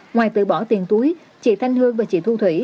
ngoài tự bỏ tiền túi chị thanh hương và chị thu thủy